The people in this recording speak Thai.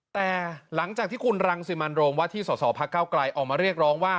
แต่หลังจากที่คุณรังสิมันโรมว่าที่สสพักเก้าไกลออกมาเรียกร้องว่า